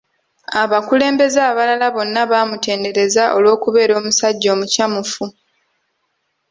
Abakulembeze abalala bonna bamutenderezza olw'okubeera omusajja omukyamufu.